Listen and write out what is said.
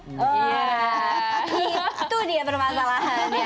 itu dia permasalahannya